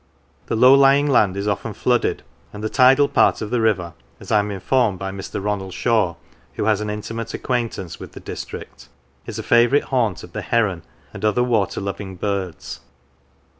The low lying land is often flooded, and the tidal part of the river, as I am informed by Mr. Ronald Shaw, who has an intimate acquaintance with the district, is a favourite haunt of the heron and other water loving birds.